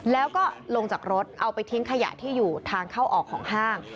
แล้วก็ลงจากรถเอาไปทิ้งขยะที่อยู่ทางเข้าออกของห้าง